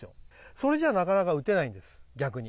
それじゃなかなか打てないんです、逆に。